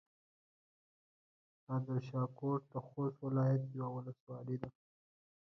نادرشاه کوټ د خوست ولايت يوه ولسوالي ده.